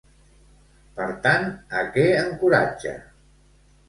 Per tant, a què encoratja?